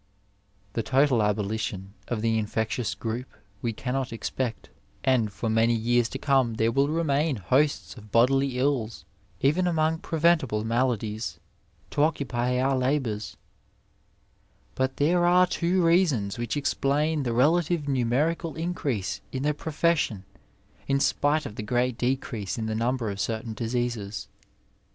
The total abolition of the infectious group we cannot expect, and for many years to come there will remain hosts of bodily ills, even among preventable maladies, to occupy our labouis ; but there are two reasons which ex plain the relative numerical increase in the profession in spite of the great decrease in the number of certain diseases.